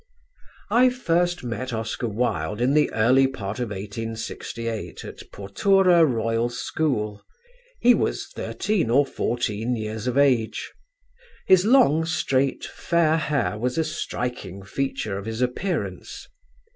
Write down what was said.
"I first met Oscar Wilde in the early part of 1868 at Portora Royal School. He was thirteen or fourteen years of age. His long straight fair hair was a striking feature of his appearance.